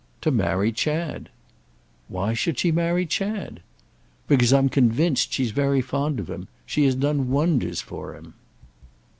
"To marry Chad." "Why should she marry Chad?" "Because I'm convinced she's very fond of him. She has done wonders for him."